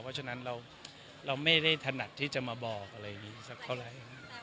เพราะฉะนั้นเราไม่ได้ถนัดที่จะมาบอกอะไรสักเท่าไร